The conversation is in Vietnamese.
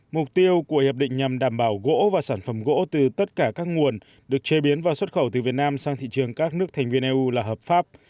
mục tiêu của hiệp định nhằm đảm bảo gỗ và sản phẩm gỗ từ tất cả các nguồn được chế biến và xuất khẩu từ việt nam sang thị trường các nước thành viên eu là hợp pháp